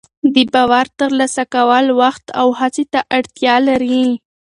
د باور ترلاسه کول وخت او هڅې ته اړتیا لري.